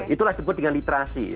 itulah sebut dengan literasi